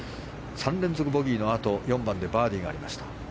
３連続ボギーのあと４番でバーディーがありました。